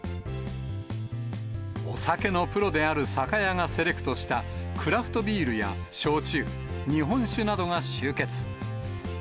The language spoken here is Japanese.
お酒のプロである酒屋がセレクトしたクラフトビールや焼酎、日本酒などが集結。